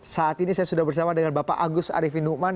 saat ini saya sudah bersama dengan bapak agus ariefi nukman